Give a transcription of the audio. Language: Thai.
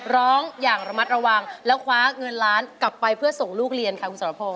อย่างระมัดระวังแล้วคว้าเงินล้านกลับไปเพื่อส่งลูกเรียนค่ะคุณสรพงศ